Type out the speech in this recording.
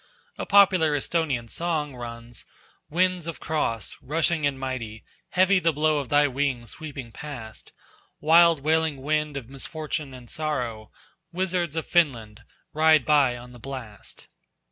A popular Esthonian song runs: Wind of the Cross! rushing and mighty! Heavy the blow of thy wings sweeping past! Wild wailing wind of misfortune and sorrow, Wizards of Finland ride by on the blast.